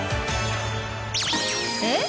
えっ？